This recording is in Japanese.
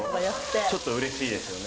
ちょっとうれしいですよね。